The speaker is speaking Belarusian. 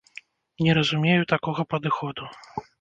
Не разумею такога падыходу.